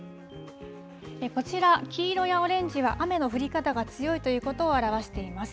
こちら黄色やオレンジは雨の降り方が強いということを表しています。